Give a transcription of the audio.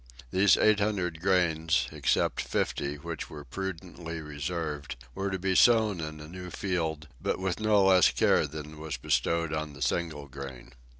These eight hundred grains, except fifty, which were prudently reserved, were to be sown in a new field, but with no less care than was bestowed on the single grain.